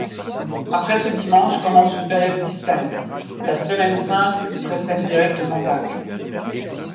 Après ce dimanche commence une période distincte, la Semaine sainte qui précède directement Pâques.